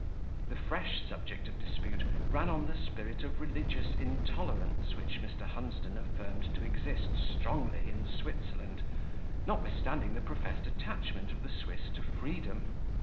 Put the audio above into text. The fresh subject of dispute ran on the spirit of religious intolerance which Mr. Hunsden affirmed to exist strongly in Switzerland, notwithstanding the professed attachment of the Swiss to freedom.